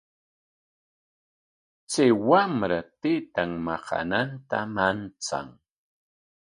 Chay wamra taytan maqananta manchan.